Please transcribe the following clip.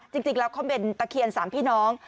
จริงแล้วเขาเป็นตะเคียน๓พี่น้อง